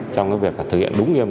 trong cái việc thực hiện đúng nghiệp